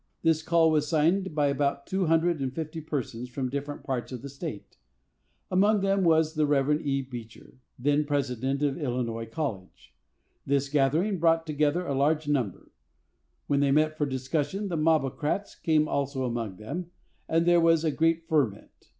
This call was signed by about two hundred and fifty persons from different parts of the state, among whom was the Rev. E. Beecher, then President of Illinois College. This gathering brought together a large number. When they met for discussion, the mobocrats came also among them, and there was a great ferment.